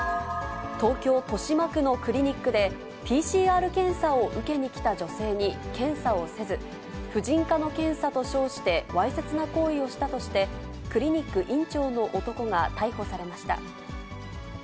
東京・豊島区のクリニックで、ＰＣＲ検査を受けに来た女性に検査をせず、婦人科の検査と称してわいせつな行為をしたとして、クリニック院長の男が逮捕されました。